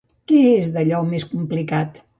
Què és d'allò més complicat?